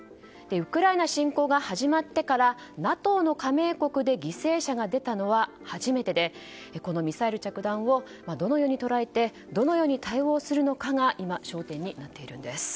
ウクライナ侵攻が始まってからＮＡＴＯの加盟国で犠牲者が出たのは初めてでミサイル着弾をどのように捉えてどのように対応するのかが今、焦点になっているんです。